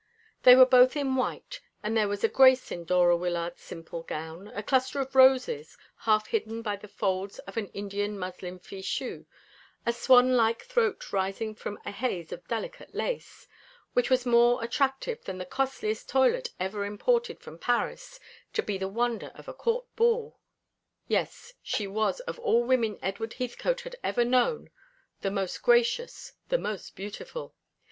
They were both in white, and there was a grace in Dora Wyllard's simple gown, a cluster of roses half hidden by the folds of an Indian muslin fichu, a swan like throat rising from a haze of delicate lace, which was more attractive than the costliest toilet ever imported from Paris to be the wonder of a court ball. Yes, she was of all women Edward Heathcote had ever known the most gracious, the most beautiful.